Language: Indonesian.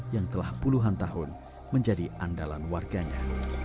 yang telah puluhan tahun menjadi andalan warganya